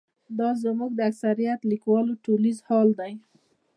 دا زموږ د اکثریت لیکوالو ټولیز حال دی.